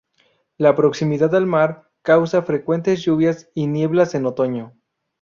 La proximidad al mar causa frecuentes lluvias y nieblas en otoño.